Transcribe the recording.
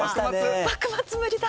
幕末無理だ。